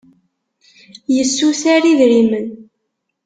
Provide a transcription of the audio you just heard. Yessuter idrimen.